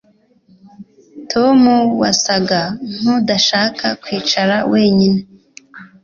Tom wasaga nkudashaka kwicara wenyine